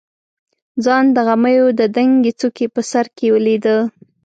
ځان د غمیو د دنګې څوکې په سر کې لیده.